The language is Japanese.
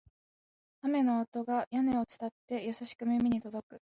雨の音が屋根を伝って、優しく耳に届く